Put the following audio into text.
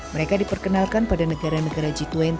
mereka diperkenalkan pada negara negara g dua puluh